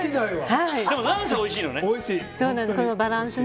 でも何せおいしいのね。